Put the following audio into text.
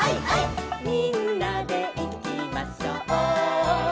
「みんなでいきましょう」